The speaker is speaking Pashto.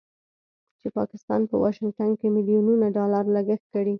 چې پاکستان په واشنګټن کې مليونونو ډالر لګښت کړی